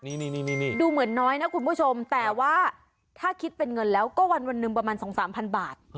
นี่ดูเหมือนน้อยนะคุณผู้ชมแต่ว่าถ้าคิดเป็นเงินแล้วก็วันหนึ่งประมาณ๒๓พันบาท